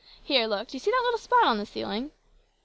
"Here, look, do you see that little spot on the ceiling?"